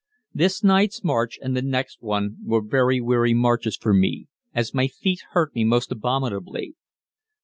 This night's march and the next one were very weary marches for me, as my feet hurt me most abominably.